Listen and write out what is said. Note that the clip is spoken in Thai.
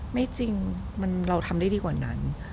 ไม่จริงเราทำได้ดีกว่านั้น